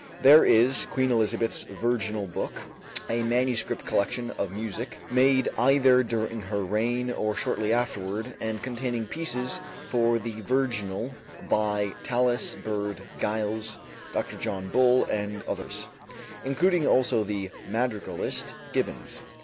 There is "Queen Elizabeth's Virginal Book," a manuscript collection of music made either during her reign or shortly afterward and containing pieces for the virginal by Tallis, Bird, Giles, Dr. John Bull and others, including also the madrigalist, Gibbons.